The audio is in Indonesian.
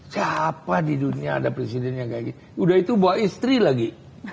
siapa di dunia ada presiden yang kayak gitu udah itu bawa istri lagi